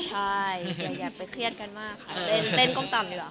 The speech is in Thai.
ใช่อย่าไปเครียดกันมากเป็นเต้นกงตำดีกว่าคะ